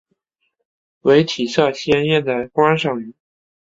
为体色鲜艳的观赏鱼。